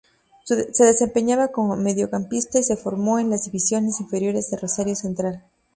Se desempeñaba como mediocampista y se formó en las divisiones inferiores de Rosario Central.